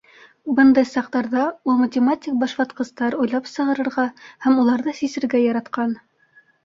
Бындай саҡтарҙа ул математик башватҡыстар уйлап сығарырға һәм уларҙы сисергә яратҡан.